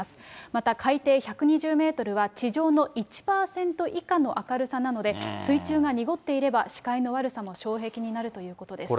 また海底１２０メートルは、地上の１％以下の明るさなので、水中が濁っていれば、視界の悪さも障壁になるということです。